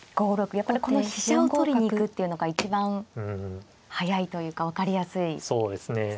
やっぱりこの飛車を取りに行くっていうのが一番速いというか分かりやすいですね。